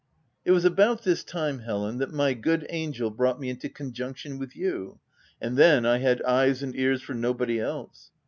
It was about this time, Helen, that my good angel brought me into conjunction with you; and then I had eyes and ears for nobody else.